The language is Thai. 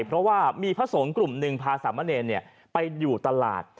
เพราะว่ามีพระสงฆ์กลุ่มหนึ่งพาสามะเนรไปอยู่ตลาด